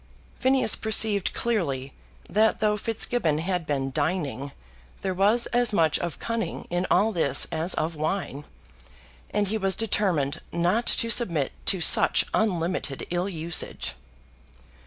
Phineas perceived clearly that though Fitzgibbon had been dining, there was as much of cunning in all this as of wine, and he was determined not to submit to such unlimited ill usage.